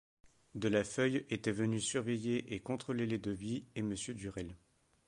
De la Feuille était venu surveiller et contrôler les devis et M. Durel.